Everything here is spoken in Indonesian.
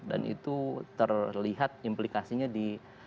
dan itu terlihat implikasinya di